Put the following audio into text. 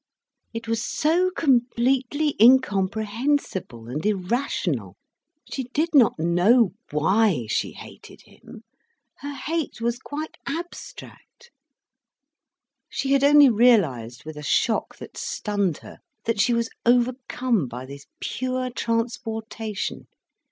It was so completely incomprehensible and irrational. She did not know why she hated him, her hate was quite abstract. She had only realised with a shock that stunned her, that she was overcome by this pure transportation.